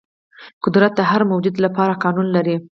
قدرت د هر موجود لپاره خپل قانون لري.